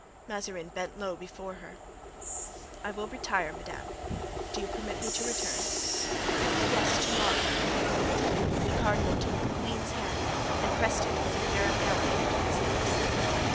Mazarin bent low before her. "I will retire, madame. Do you permit me to return?" "Yes, to morrow." The cardinal took the queen's hand and pressed it with an air of gallantry to his lips.